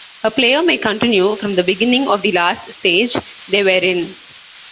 A player may continue from the beginning of the last stage they were in.